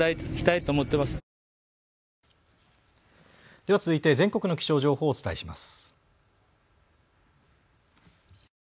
では続いて全国の気象情報をお伝えします。